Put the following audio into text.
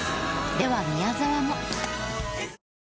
では宮沢も。